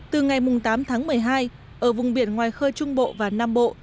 từ ngày tám tháng một mươi hai ở vùng biển ngoài khơi trung bộ và nam bộ